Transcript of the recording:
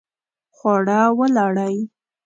خواړه ولړئ